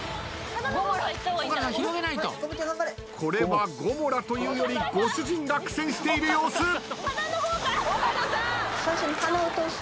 これはゴモラというよりご主人が苦戦している様子。